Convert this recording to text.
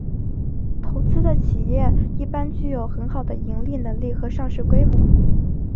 投资的企业一般具有很好的盈利能力和上市规模。